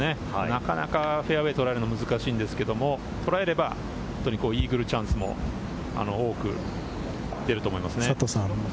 なかなかフェアウエーを捉えるのが難しいんですけれど、捉えればイーグルチャンスも多く出ると思います。